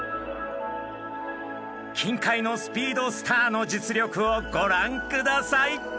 近海のスピードスターの実力をご覧ください！